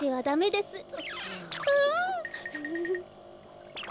ダメです！